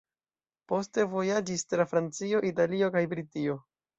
Poste vojaĝis tra Francio, Italio kaj Britio.